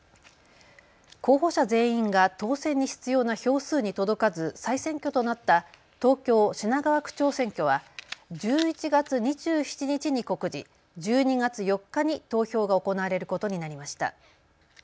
候補者全員が当選に必要な票数に届かず再選挙となった東京品川区長選挙は１１月２７日に告示、１２月４日に投票が行われることになりました。